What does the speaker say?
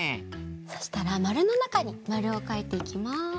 そしたらまるのなかにまるをかいていきます。